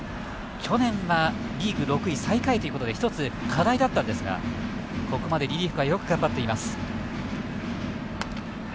去年はリーグ６位最下位ということで一つ課題だったんですがここまでリリーフがよく頑張っています。